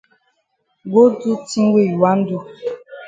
Go do tin wey you wan do.